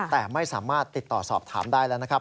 แต่ไม่สามารถติดต่อสอบถามได้แล้วนะครับ